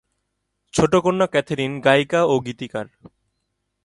ছোট কন্যা ক্যাথরিন গায়িকা ও গীতিকার।